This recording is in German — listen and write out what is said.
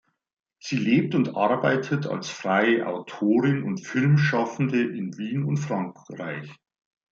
Sie lebt und arbeitet als freie Autorin und Filmschaffende in Wien und Frankreich.